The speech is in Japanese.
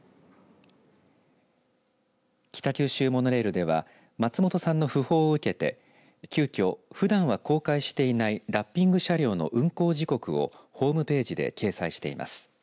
北九州モノレールでは松本さんの訃報を受けて急きょ、ふだんは公開していないラッピング車両の運行時刻をホームページで掲載しています。